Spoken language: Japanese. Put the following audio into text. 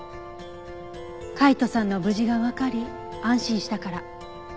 海斗さんの無事がわかり安心したから。